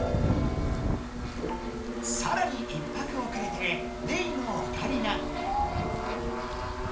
さらに１拍おくれてレイのオカリナ。